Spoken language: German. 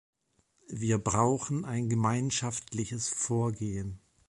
Wir brauchen ein gemeinschaftliches Vorgehen.